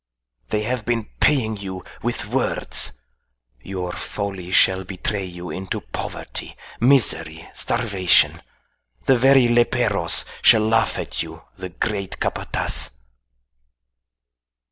"They have been paying you with words. Your folly shall betray you into poverty, misery, starvation. The very leperos shall laugh at you the great Capataz."